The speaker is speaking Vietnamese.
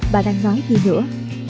bà đang nói gì nữa